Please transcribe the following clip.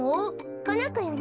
このこよね？